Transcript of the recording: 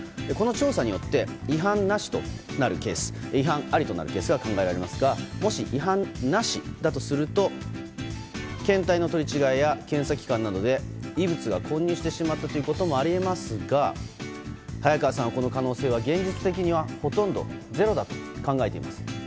この調査によって違反なしとなるケースと違反ありとなるケースが考えられますがもし、違反なしだとすると検体の取り違えや検査機関などで異物が混入してしまったということもあり得ますが早川さんは、この可能性はほとんどゼロだと考えています。